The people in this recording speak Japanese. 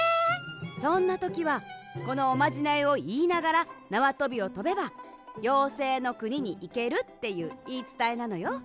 そんなときはこのおまじないをいいながらなわとびをとべばようせいのくににいけるっていういいつたえなのよ。